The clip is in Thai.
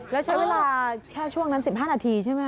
แล้วใช้เวลาแค่ช่วงนั้น๑๕นาทีใช่ไหม